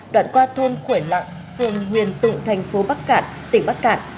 đoạn qua thôn khuẩn lạng thôn nguyên tụng thành phố bắc cạn tỉnh bắc cạn